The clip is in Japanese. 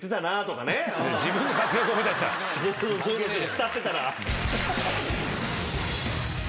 浸ってたら。